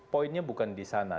poinnya bukan di sana